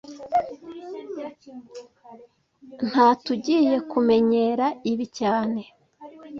Ntatugiye kumenyera ibi cyane